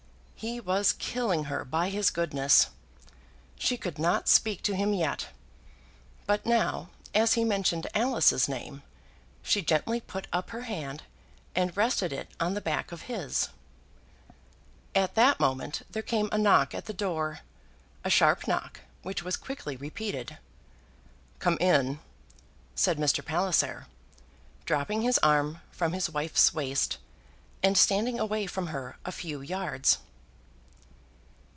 He was killing her by his goodness. She could not speak to him yet; but now, as he mentioned Alice's name, she gently put up her hand and rested it on the back of his. At that moment there came a knock at the door; a sharp knock, which was quickly repeated. "Come in," said Mr. Palliser, dropping his arm from his wife's waist, and standing away from her a few yards.